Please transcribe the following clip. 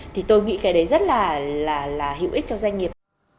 thì tôi nghĩ cái đấy rất là hữu ích cho doanh nghiệp